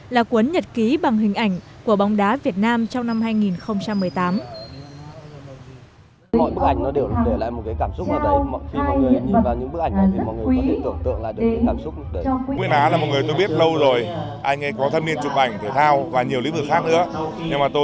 là cuốn nhật ký bằng hình ảnh của bóng đá việt nam trong năm hai nghìn một mươi tám